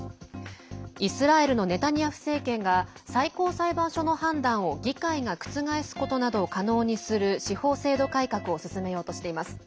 イスラエルのネタニヤフ政権が最高裁判所の判断を議会が覆すことなどを可能にする司法制度改革を進めようとしています。